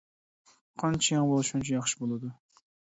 قانچە يېڭى بولسا شۇنچە ياخشى بولىدۇ.